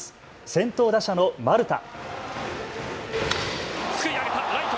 先頭打者の丸田。